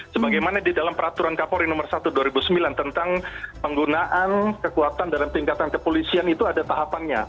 sebagaimana di dalam peraturan kapolri nomor satu dua ribu sembilan tentang penggunaan kekuatan dalam tingkatan kepolisian itu ada tahapannya